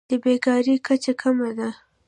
د بیکارۍ کچه کمه ده.